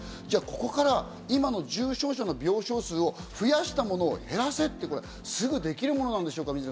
じゃあ、ここから今の重症者の病床数を増やしたものを減らせって、すぐできるものでしょうか？